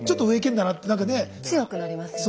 強くなりますよね。